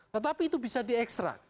tetapi itu bisa di ekstrak